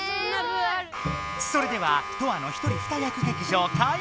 それではトアの一人二役劇場開まく！